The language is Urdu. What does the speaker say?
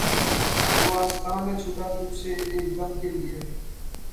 وہ آستاں نہ چھٹا تجھ سے ایک دم کے لیے